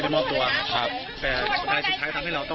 คำให้การในกอล์ฟนี่คือคำให้การในกอล์ฟนี่คือ